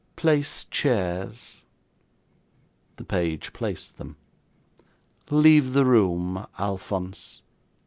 'Place chairs.' The page placed them. 'Leave the room, Alphonse.